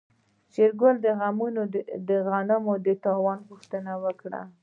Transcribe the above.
شېرګل د غنمو د تاوان پوښتنه وکړه.